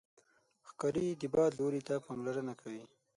ښکاري د باد لوري ته پاملرنه کوي.